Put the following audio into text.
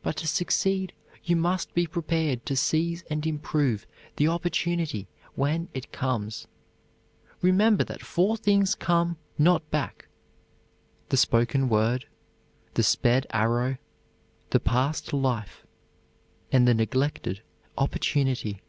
But to succeed you must be prepared to seize and improve the opportunity when it comes. Remember that four things come not back: the spoken word, the sped arrow, the past life, and the neglected opportunity.